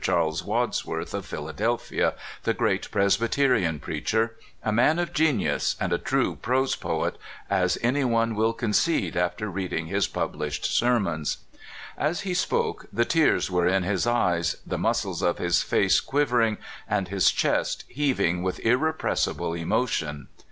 Charles Wadsworth, of Philadelphia, the great Presbyterian preacher — a man of genius and a true prose poet, as any one will concede after reading his pub Hshed sermons. As he spoke, the tears were in his eyes, the muscles of his face quivering, and his chest heaving with irrepressible emotion.